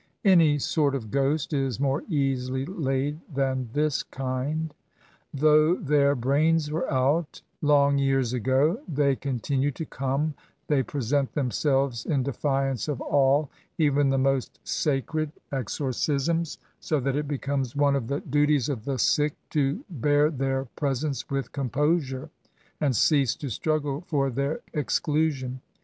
Any sort: of ghost is more easily laid than this kind. Though' their " brains were out " long years: ago, they continue to come — ^they present themselves in: defiance of all — even the most sacred, exorcisms ;: so that it becomes one of the duties of the sick to bear their presence with composure, and cease to struggle for their exdusibn.